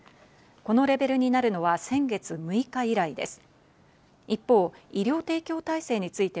このレベルになるのは先月６日以来です。